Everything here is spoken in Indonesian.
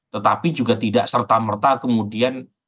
tetapi juga tidak serta merta kemudian